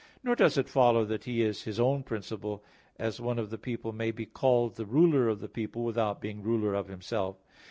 Nor does it follow that He is His own principle; as one of the people may be called the ruler of the people without being ruler of himself.